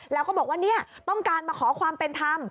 แล้วก็บอกว่าเนี่ยต้องการมาขอความเป็นธรรม